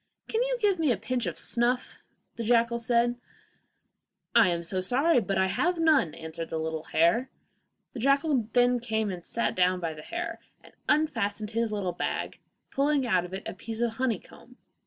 'Can you give me a pinch of snuff?' said the jackal. 'I am so sorry, but I have none,' answered the little hare. The jackal then came and sat down by the little hare, and unfastened his little bag, pulling out of it a piece of honeycomb.